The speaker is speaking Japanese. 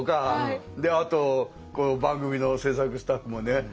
であと番組の制作スタッフもね